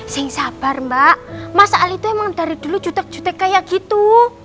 sing sabar mbak mas al itu emang dari dulu jutek jutek kayak gitu